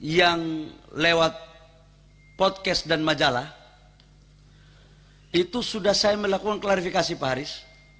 yang lewat podcast dan majalah itu sudah saya melakukan klarifikasi pak haris